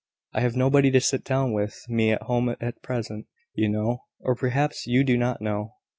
I have nobody to sit down with me at home at present, you know, or perhaps you do not know."